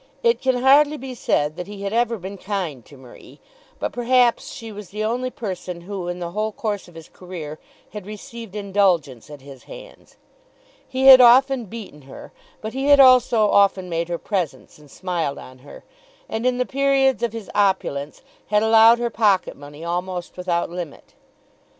It can hardly be said that he had ever been kind to Marie, but perhaps she was the only person who in the whole course of his career had received indulgence at his hands. He had often beaten her; but he had also often made her presents and smiled on her, and in the periods of his opulence, had allowed her pocket money almost without limit.